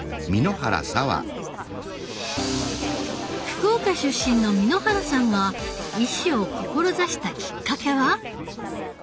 福岡出身の簑原さんが医師を志したきっかけは？